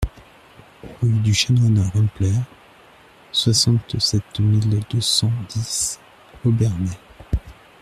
Rue du Chanoine Rumpler, soixante-sept mille deux cent dix Obernai